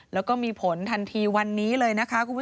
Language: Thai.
แล้วก็มีผลทันทีวันนี้เลย